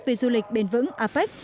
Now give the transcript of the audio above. về du lịch bền vững apec